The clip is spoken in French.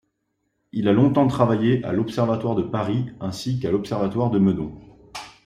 Il a longtemps travaillé à l'observatoire de Paris ainsi qu'à l'observatoire de Meudon.